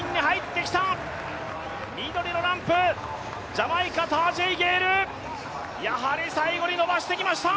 緑のランプ、ジャマイカ、タージェイ・ゲイルやはり最後に伸ばしてきました。